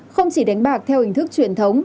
không chỉ đánh bạc theo hình thức truyền thống